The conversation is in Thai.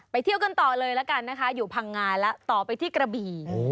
เที่ยวกันต่อเลยละกันนะคะอยู่พังงาแล้วต่อไปที่กระบี่